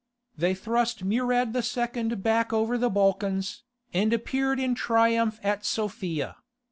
They thrust Murad II. back over the Balkans, and appeared in triumph at Sophia.